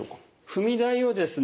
踏み台をですね